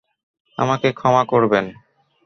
আমাকে ক্ষমা করবেন!